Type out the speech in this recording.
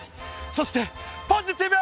そしてポジティブ！